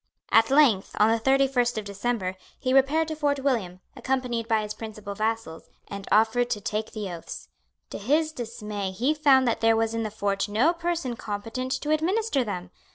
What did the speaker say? At length, on the thirty first of December, he repaired to Fort William, accompanied by his principal vassals, and offered to take the oaths. To his dismay he found that there was in the fort no person competent to administer them.